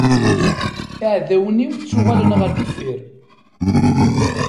Iɛdawen-iw ttuɣalen ɣer deffir.